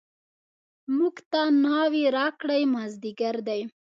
موږ ته ناوې راکړئ مازدیګر دی.